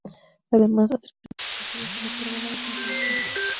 Además, a tres colegas fallecidos se le otorgó la misma condición.